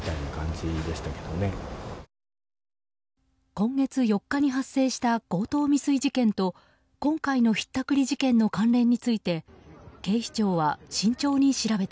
今月４日に発生した強盗未遂事件と今回のひったくり事件の関連について速報です。